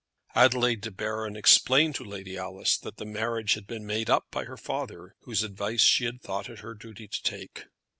Adelaide De Baron explained to Lady Alice that the marriage had been made up by her father, whose advice she had thought it her duty to take.